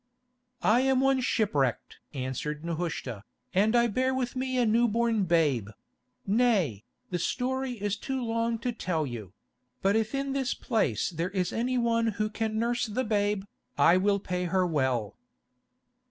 "I am one shipwrecked!" answered Nehushta, "and I bear with me a new born babe—nay, the story is too long to tell you; but if in this place there is any one who can nurse the babe, I will pay her well."